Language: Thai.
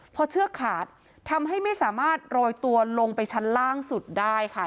พอเชือกขาดทำให้ไม่สามารถโรยตัวลงไปชั้นล่างสุดได้ค่ะ